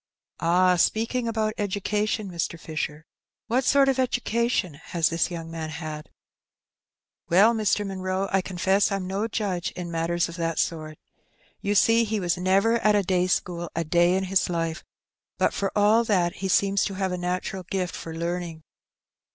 "Ah, speaking about education, Mr. Fisher, what sort of education has this young man had ?"" Well, Mr. Munroe, I confess I'm no judge in matters of that sort. You see, he was never at a day school a day in his life ; but for all that he seems to have a natural gift for learning.